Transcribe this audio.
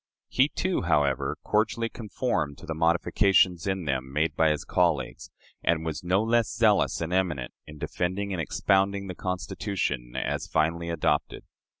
He, too, however, cordially conformed to the modifications in them made by his colleagues, and was no less zealous and eminent in defending and expounding the Constitution as finally adopted.